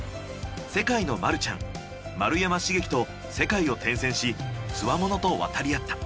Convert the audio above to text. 世界のマルちゃん丸山茂樹と世界を転戦しツワモノと渡り合った。